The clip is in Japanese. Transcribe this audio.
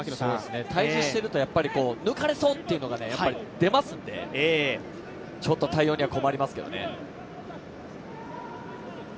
対じしていると抜かれそうっていうのが出ますからちょっと対応には困りますけどね。